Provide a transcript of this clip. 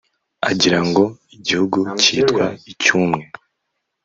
agira ngo igihugu cyitwa icy’umwe